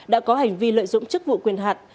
đã có hành vi lợi dụng chức vụ quyền hạn